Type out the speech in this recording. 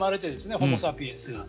ホモ・サピエンスが。